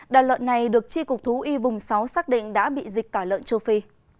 đoàn lợn này được chi cục thú y vùng sáu xác định đã bị dịch cả lợn châu phi